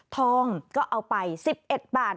ทองก็เอาไป๑๑บาท